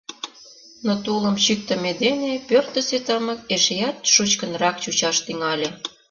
Но тулым чӱктымӧ дене пӧртысӧ тымык эшеат шучкынрак чучаш тӱҥале.